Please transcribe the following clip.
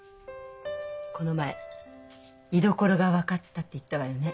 この前居所が分かったって言ったわよね。